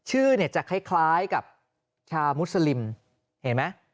ชื่อเนี่ยจะคล้ายกับชาวมุสลิมเห็นไหม